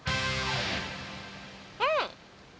うん！